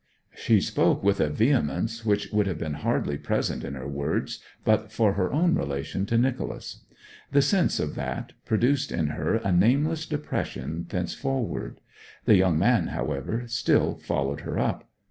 She spoke with a vehemence which would have been hardly present in her words but for her own relation to Nicholas. The sense of that produced in her a nameless depression thenceforward. The young man, however, still followed her up.